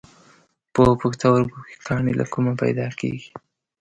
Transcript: په پښتورګو کې کاڼي له کومه پیدا کېږي؟